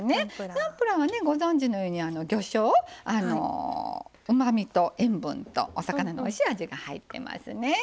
ナムプラーはご存じのように魚しょううまみと塩分とお魚のおいしい味が入ってますね。